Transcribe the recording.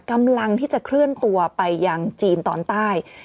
กำลังที่จะเคลื่อนตัวไปยังจีนตอนใต้